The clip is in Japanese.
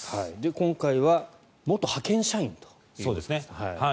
今回は元派遣社員ということですが。